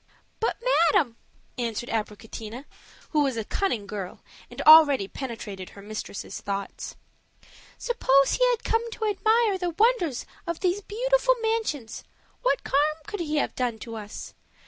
"But, madam," answered Abricotina, who was a cunning girl, and already penetrated her mistress' thoughts, "suppose he had come to admire the wonders of these beautiful mansions, what harm could he have done us?